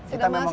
sudah masuk ini